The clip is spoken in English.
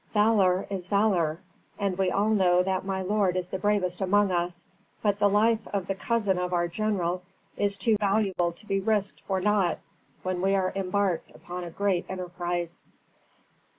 Valour is valour, and we all know that my lord is the bravest among us; but the life of the cousin of our general is too valuable to be risked for nought when we are embarked upon a great enterprise."